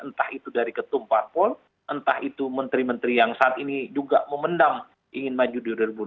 entah itu dari ketum parpol entah itu menteri menteri yang saat ini juga memendam ingin maju di dua ribu dua puluh